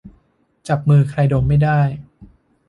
จับมือใครดมไม่ได้